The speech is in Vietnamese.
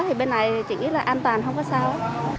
thì bên này chị nghĩ là an toàn không có sao